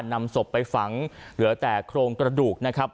นำศพไปฝังเหลือแต่โครงกระดูกนะครับ